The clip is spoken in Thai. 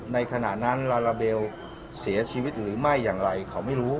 ในขณะนั้นลาลาเบลเสียชีวิตหรือไม่อย่างไรเขาไม่รู้